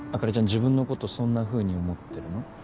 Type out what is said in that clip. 自分のことそんなふうに思ってるの？